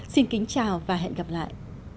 xin kính chào và hẹn gặp lại